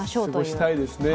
過ごしたいですね。